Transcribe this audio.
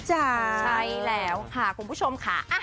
ใช่แล้วค่ะคุณผู้ชมค่ะ